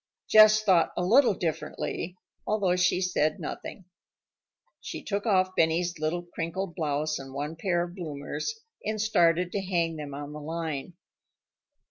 Jess thought a little differently, although she said nothing. She took off Benny's little crinkled blouse and one pair of bloomers, and started to hang them on the line.